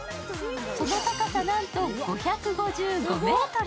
その高さ、なんと５５５ｍ。